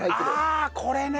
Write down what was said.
ああこれね！